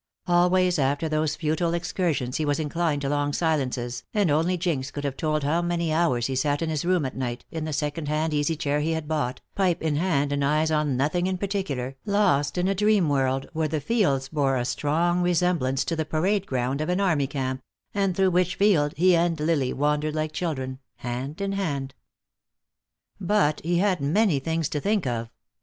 Always after those futile excursions he was inclined to long silences, and only Jinx could have told how many hours he sat in his room at night, in the second hand easy chair he had bought, pipe in hand and eyes on nothing in particular, lost in a dream world where the fields bore a strong resemblance to the parade ground of an army camp, and through which field he and Lily wandered like children, hand in hand. But he had many things to think of.